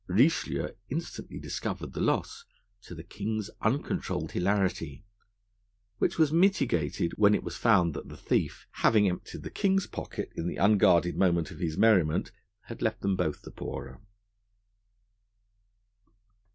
Richelieu instantly discovered the loss, to the king's uncontrolled hilarity, which was mitigated when it was found that the thief, having emptied the king's pocket at the unguarded moment of his merriment, had left them both the poorer.